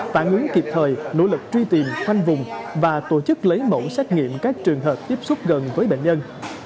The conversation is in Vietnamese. phản ứng kịp thời nỗ lực truy tìm khoanh vùng và tổ chức lấy mẫu xét nghiệm các trường hợp tiếp xúc gần với bệnh nhân